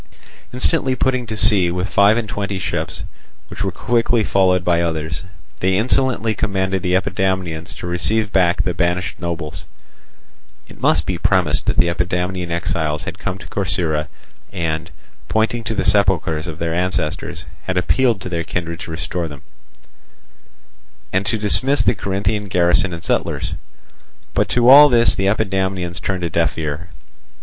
Instantly putting to sea with five and twenty ships, which were quickly followed by others, they insolently commanded the Epidamnians to receive back the banished nobles—(it must be premised that the Epidamnian exiles had come to Corcyra and, pointing to the sepulchres of their ancestors, had appealed to their kindred to restore them)—and to dismiss the Corinthian garrison and settlers. But to all this the Epidamnians turned a deaf ear.